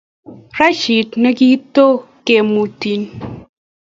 Rashid nikotokimuti